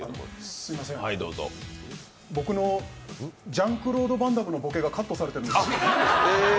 すいません、僕のジャン・クロード・バンダムのボケがカットされてるんです。